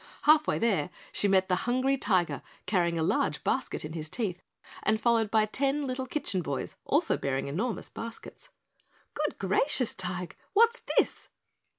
Half way there, she met the Hungry Tiger carrying a large basket in his teeth and followed by ten little kitchen boys, also bearing enormous baskets. "Good gracious, Tige, what's this?"